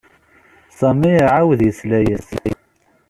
Sami iɛawed yesla-as.